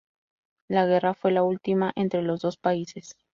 La guerra fue la última entre los dos países.